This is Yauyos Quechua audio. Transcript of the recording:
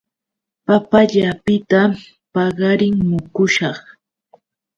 Papa llapita paqarin mukushaq.